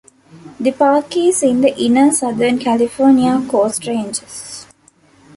The park is in the Inner Southern California Coast Ranges.